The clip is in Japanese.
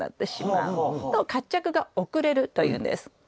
「活着が遅れる」というんです。